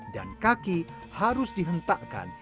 dan kaki harus dihentakkan